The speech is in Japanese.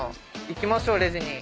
行きましょうレジに。